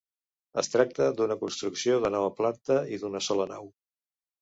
Es tracta d'una construcció de nova planta i d'una sola nau.